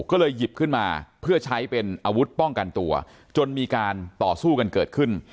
ก็เลยหยิบขึ้นมาเพื่อใช้เป็นอาวุธป้องกันตัวจนมีการต่อสู้กันเกิดขึ้น